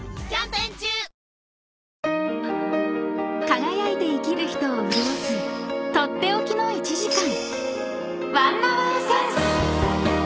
［輝いて生きる人を潤す取って置きの１時間］